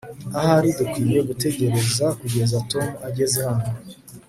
ahari dukwiye gutegereza kugeza tom ageze hano